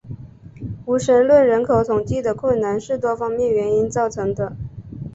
无神论人口统计的困难是多方面原因造成的。